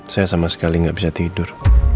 saya sama sekali nggak bisa tidur